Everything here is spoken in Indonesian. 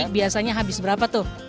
biasanya habis berapa tuh